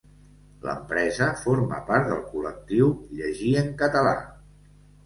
L'empresa forma part del col·lectiu Llegir en català.